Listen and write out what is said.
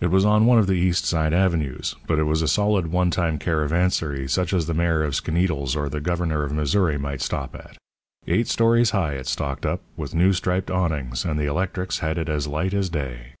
It was on one of the East Side avenues; but it was a solid, old time caravansary such as the Mayor of Skaneateles or the Governor of Missouri might stop at. Eight stories high it stalked up, with new striped awnings, and the electrics had it as light as day.